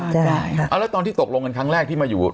จะได้ครับอ้าวแล้วตอนที่ตกลงกันครั้งแรกที่มาอยู่